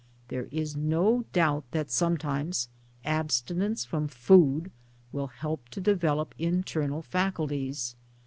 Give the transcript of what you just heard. There is no doubt that sometimes abstinence from food will help to develop internal faculties.